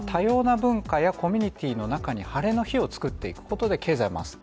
多様な文化やコミュニティの中に晴れの日を作っていくことで経済を回す。